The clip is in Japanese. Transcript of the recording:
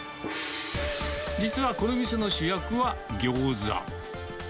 実はこの店の主役はギョーザ。